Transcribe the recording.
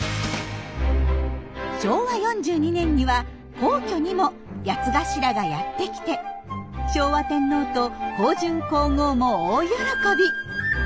昭和４２年には皇居にもヤツガシラがやって来て昭和天皇と香淳皇后も大喜び。